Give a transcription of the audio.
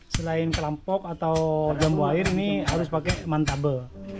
selain kelampok atau jambu air ini harus pakai mantabel